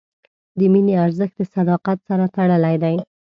د مینې ارزښت د صداقت سره تړلی دی.